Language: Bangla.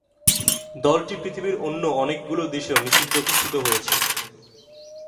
দলটি পৃথিবীর অন্য অনেকগুলো দেশেও নিষিদ্ধ ঘোষিত হয়েছে।